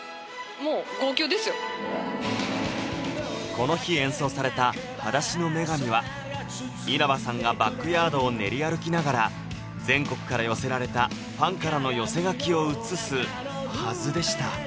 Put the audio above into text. この日演奏された「裸足の女神」は稲葉さんがバックヤードを練り歩きながら全国から寄せられたファンからの寄せ書きを映すはずでした